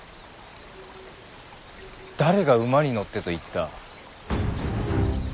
誰が馬に乗ってと言った。